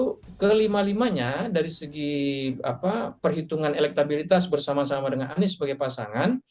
jadi itu kelima limanya dari segi perhitungan elektabilitas bersama sama dengan anies sebagai pasangan